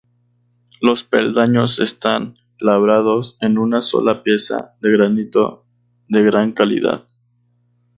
Los peldaños están labrados en una sola pieza de granito de gran calidad.